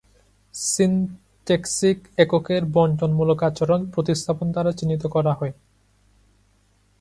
Syntactic এককের বন্টনমূলক আচরণ প্রতিস্থাপন দ্বারা চিহ্নিত করা হয়।